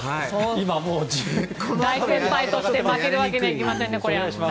大先輩として負けるわけにはいきませんね。